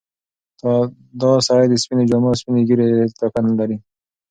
دا سړی د سپینو جامو او سپینې ږیرې هیڅ لیاقت نه لري.